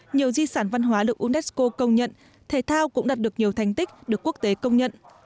nhiều di sản văn hóa được unesco công nhận thể thao cũng đạt được nhiều thành tích được quốc tế công nhận